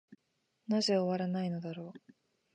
なぜ終わないのだろう。